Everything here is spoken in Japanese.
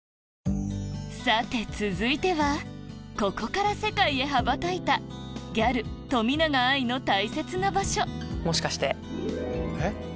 さて続いてはここから世界へ羽ばたいたギャル冨永愛の大切な場所もしかして？